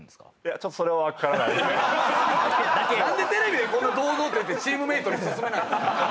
何でテレビで堂々と言ってチームメートに薦めないんすか？